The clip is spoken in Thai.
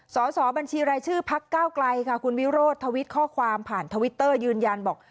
สอบบัญชีรายชื่อพักเก้าไกลค่ะคุณวิโรธทวิตข้อความผ่านทวิตเตอร์ยืนยันบอก